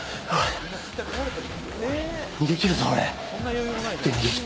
逃げ切るぞ、俺。